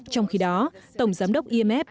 trong khi đó tổng giám đốc imf